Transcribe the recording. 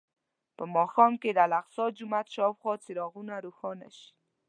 په ماښام کې د الاقصی جومات شاوخوا څراغونه روښانه شي.